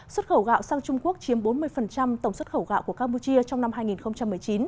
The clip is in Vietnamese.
xuất khẩu gạo sang trung quốc chiếm bốn mươi tổng xuất khẩu gạo của campuchia trong năm hai nghìn một mươi chín